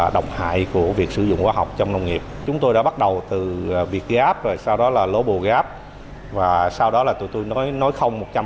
động hại của việc sử dụng khoa học trong nông nghiệp chúng tôi đã bắt đầu từ việt gap rồi sau đó là global gap và sau đó là tụi tôi nói không